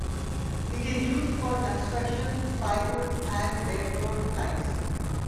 It is used for construction, firewood, and railroad ties.